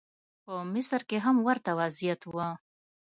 په مصر کې هم ورته وضعیت و.